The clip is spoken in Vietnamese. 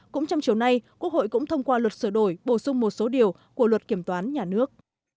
cũng trong chiều nay quốc hội cũng thông qua luật sửa đổi bổ sung một số điều của luật kiểm toán nhà nước